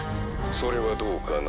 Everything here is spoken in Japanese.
「それはどうかな？